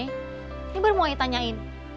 ini baru mau ayo tanyain